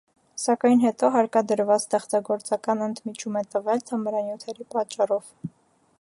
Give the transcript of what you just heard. Սակայն հետո հարկադրված ստեղծագործական ընդմիջում է տվել թմրանյութերի պատճառով։